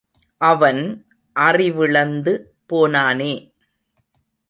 அவன் அறிவிழந்து போனானே.